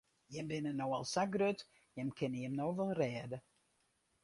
Jimme binne no al sa grut, jimme kinne jim no wol rêde.